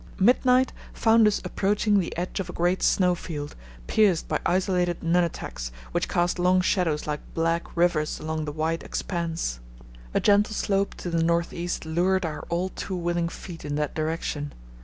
Midnight found us approaching the edge of a great snowfield, pierced by isolated nunataks which cast long shadows like black rivers across the white expanse. A gentle slope to the north east lured our all too willing feet in that direction.